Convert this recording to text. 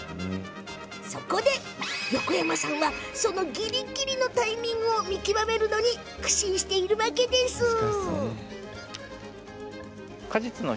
そこで、横山さんはそのぎりぎりのタイミングを見極めるのに苦心しているんですって。